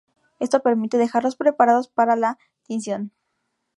Esto permite dejarlos preparados para la tinción.